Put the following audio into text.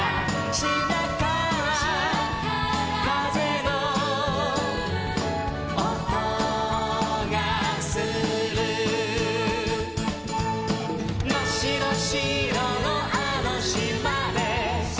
「しまからかぜのおとがする」「まっしろしろのあのしまで」